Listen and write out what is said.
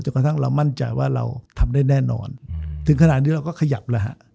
กระทั่งเรามั่นใจว่าเราทำได้แน่นอนถึงขนาดนี้เราก็ขยับแล้วฮะ